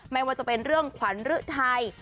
ไม่ว่าจะเป็นเรื่องขวัญฤทัย